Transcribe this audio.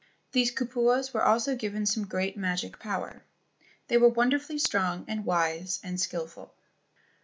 These kupuas were always given some great magic power. They were wonderfully strong and wise and skilful.